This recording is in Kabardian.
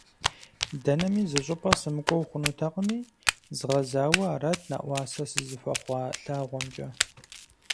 Дэнэми зыщӀыпӀэ сымыкӀуэу хъунутэкъыми, згъэзауэ арат нэӀуасэ сызыхуэхъуа лъагъуэмкӀэ.